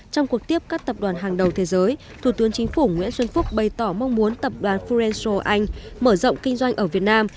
trong cuộc tiếp các tập đoàn hàng đầu thế giới thủ tướng chính phủ nguyễn xuân phúc bày tỏ mong muốn tập đoàn furencial anh mở rộng kinh doanh ở việt nam